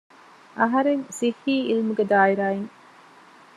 އަހަރެން ސިއްހީ އިލްމުގެ ދާއިރާއިން